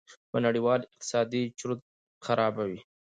په نړېوال اقتصاد چورت خرابوي.